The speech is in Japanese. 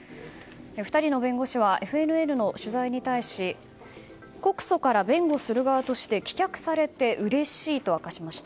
２人の弁護士はＦＮＮの取材に対し告訴から弁護する側として棄却されてうれしいと明かしました。